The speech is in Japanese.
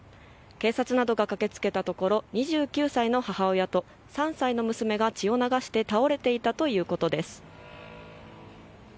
警察などが駆け付けたところ２９歳の母親と３歳の娘が血を流して倒れていたということです。